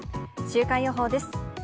週間予報です。